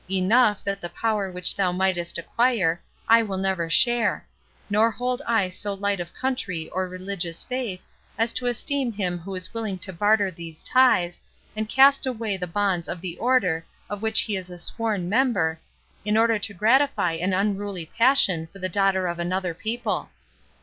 Enough, that the power which thou mightest acquire, I will never share; nor hold I so light of country or religious faith, as to esteem him who is willing to barter these ties, and cast away the bonds of the Order of which he is a sworn member, in order to gratify an unruly passion for the daughter of another people.